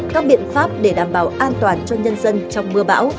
các biện pháp để đảm bảo an toàn cho nhân dân trong mưa bão